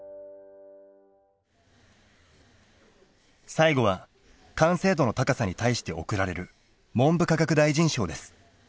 最後は完成度の高さに対して贈られる文部科学大臣賞です。